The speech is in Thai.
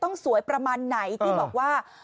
ต้องสวยประมาณไหนที่บอกว่า